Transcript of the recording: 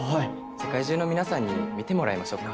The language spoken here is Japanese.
世界中の皆さんに見てもらいましょっか。